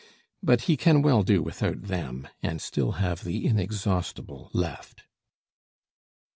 But he can well do without them, and still have the inexhaustible left.